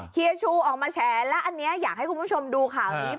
เฮียชูออกมาแฉและอันนี้อยากให้คุณผู้ชมดูข่าวนี้